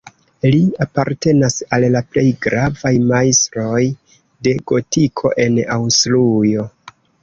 Li apartenas al la plej gravaj majstroj de gotiko en Aŭstrujo.